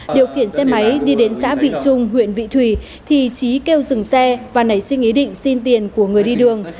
điều khiển xe máy đi đến xã vị trung huyện vị thủy thì trí kêu dừng xe và nảy sinh ý định xin tiền của người đi đường